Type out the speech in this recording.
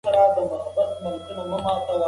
موږ غوا نه لرو نو ځکه دا واښه تاته درکوو.